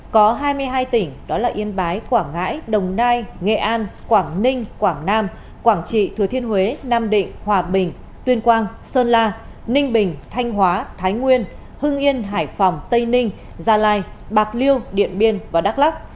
có hai mươi hai tỉnh đó là yên bái quảng ngãi đồng nai nghệ an quảng ninh quảng nam quảng trị thừa thiên huế nam định hòa bình tuyên quang sơn la ninh bình thanh hóa thái nguyên hưng yên hải phòng tây ninh gia lai bạc liêu điện biên và đắk lắc